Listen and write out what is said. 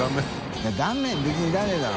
いや断面別にいらねぇだろ。